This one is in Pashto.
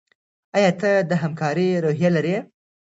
ایا ته د همکارۍ روحیه لرې؟